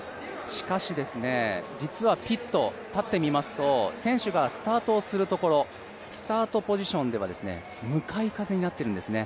しかし、実はピット、立ってみますと選手がスタートをするところスタートポジションでは向かい風になっているんですね。